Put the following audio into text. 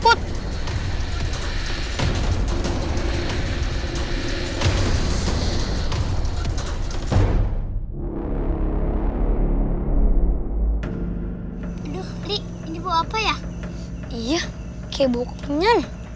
hai aduh ini bawa apa ya iya kebuknya